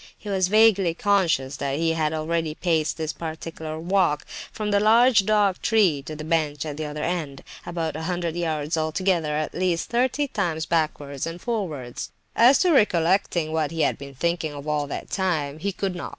He was vaguely conscious that he had already paced this particular walk—from that large, dark tree to the bench at the other end—about a hundred yards altogether—at least thirty times backwards and forwards. As to recollecting what he had been thinking of all that time, he could not.